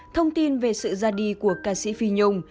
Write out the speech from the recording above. thông tin về sự ra đi của ca sĩ phi nhung